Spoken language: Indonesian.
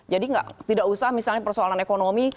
jadi tidak usah misalnya persoalan ekonomi